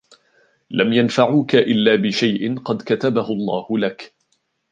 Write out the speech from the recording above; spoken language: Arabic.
لَمْ يَنْفَعُوكَ إِلاَّ بِشَيْءٍ قَدْ كَتَبَهُ اللهُ لَكَ،